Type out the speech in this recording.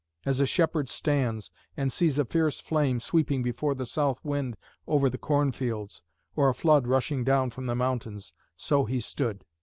As a shepherd stands, and sees a fierce flame sweeping before the south wind over the corn fields or a flood rushing down from the mountains, so he stood.